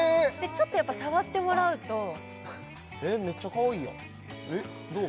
ちょっとやっぱ触ってもらうとえっめっちゃかわいいやんえっどう？